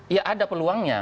ya ada peluangnya